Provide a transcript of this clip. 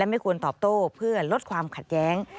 ไม่ควรตอบโต้เพื่อลดความขัดแย้ง